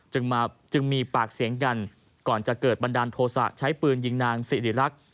จึงมีปากเสียงกันก่อนจะเกิดบันดาลโทษะใช้ปืนยิงนางสิริรักษ์